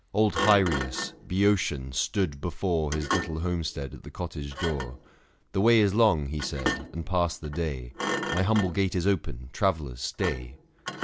161 Old Hyrieus, Boeotian, stood before His little homestead at the cottage door. The way is long, he said, and passed the day, My humble gate is open, travellers, stay.